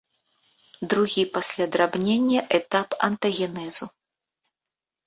Другі пасля драбнення этап антагенезу.